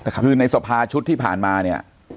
คือในสภาชุดที่ผ่านมาเนี่ย